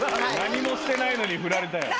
何もしてないのに振られたよ。